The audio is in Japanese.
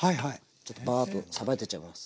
ちょっとバーッとさばいていっちゃいます。